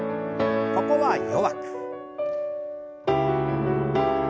ここは弱く。